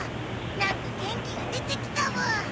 何か元気が出てきたブー！